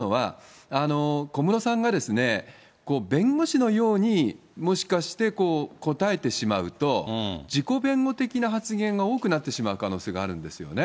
ただ私は、この記者会見で一番心配なのは、小室さんが弁護士のように、もしかして答えてしまうと、自己弁護的な発言が多くなってしまう可能性があるんですよね。